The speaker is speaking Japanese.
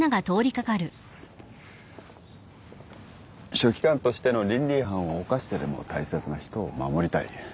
書記官としての倫理違反を犯してでも大切な人を守りたい。